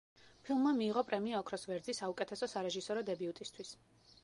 ფილმმა მიიღო პრემია „ოქროს ვერძი“ საუკეთესო სარეჟისორო დებიუტისთვის.